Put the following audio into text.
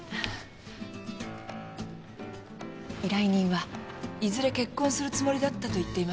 依頼人はいずれ結婚するつもりだったと言っています。